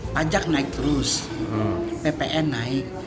pajak naik terus ppn naik